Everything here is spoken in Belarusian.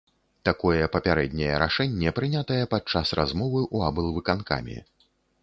Такое папярэдняе рашэнне прынятае падчас размовы ў аблвыканкаме.